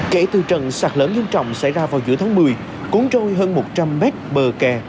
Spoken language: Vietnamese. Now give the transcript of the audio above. kể từ trận sạt lở nghiêm trọng xảy ra vào giữa tháng một mươi cuốn trôi hơn một trăm linh mét bờ kè